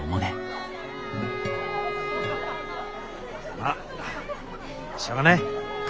まっしょうがない。